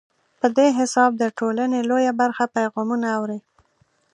په دې حساب د ټولنې لویه برخه پیغامونه اوري.